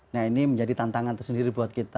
nah ini menjadi tantangan tersendiri buat kita